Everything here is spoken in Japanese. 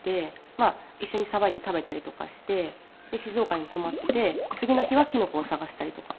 まあ一緒にさばいて食べたりとかして静岡に泊まって次の日はキノコを探したりとか。